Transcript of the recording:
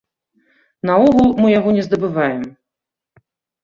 Наогул, мы яго не здабываем.